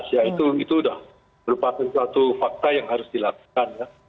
ya itu sudah merupakan suatu fakta yang harus dilakukan ya